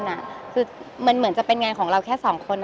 คือเหมือนจะเป็นงานของเราแค่สองคน